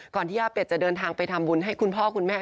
ที่ย่าเป็ดจะเดินทางไปทำบุญให้คุณพ่อคุณแม่